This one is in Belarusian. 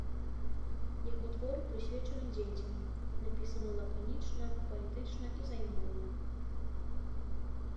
Яго творы прысвечаны дзецям, напісаны лаканічна, паэтычна і займальна.